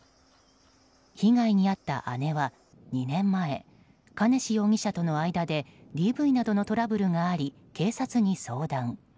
被害に遭った姉は２年前兼次容疑者との間でＤＶなどのトラブルがあり警察に相談。